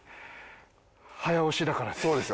早押しだからです。